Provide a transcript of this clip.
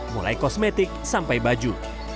mulai kosmetik sampai baju